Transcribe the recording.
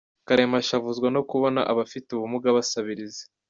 Karema ashavuzwa no kubona abafite ubumuga basabiriza.